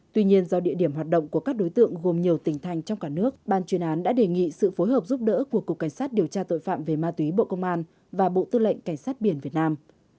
tuy nhiên do địa điểm hoạt động của các đối tượng gồm nhiều tỉnh thành trong cả nước ban chuyên án đã đề nghị sự phối hợp giúp đỡ của cục cảnh sát điều tra tội phạm về ma túy bộ công an và bộ tư lệnh cảnh sát biển việt nam